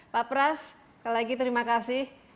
pak pras sekali lagi terima kasih